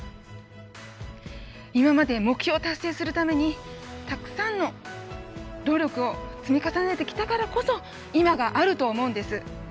今まで目標達成するためにたくさんの努力を積み重ねてきたからこそ今があると思うんです。